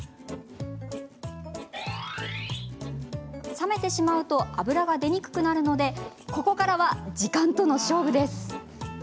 冷めてしまうと油が出にくくなるのでここからは時間との勝負です。